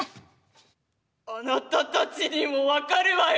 あなたたちにも分かるわよ。